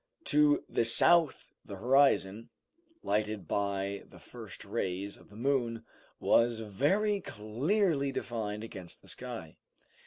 To the south the horizon, lighted by the first rays of the moon, was very clearly defined against the sky.